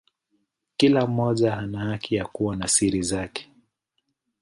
Kila mmoja ana haki ya kuwa na siri zake.